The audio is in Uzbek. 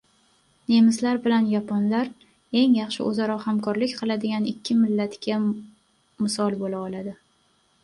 Nemislar bilan Yaponlar eng yaxshi oʻzaro hamkorlik qiladigan ikki millatga misol boʻla oladi.